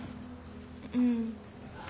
うん。